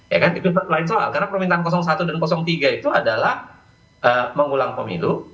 ya kan itu lain soal karena permintaan satu dan tiga itu adalah mengulang pemilu